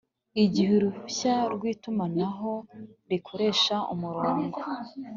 Igihe uruhushya rwitumanaho rikoresha umurongo